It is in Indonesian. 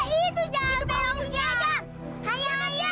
kita dua di tengah nih rupanya ya